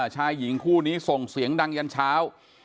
ชายหญิงคู่นี้ส่งเสียงดังยันเช้า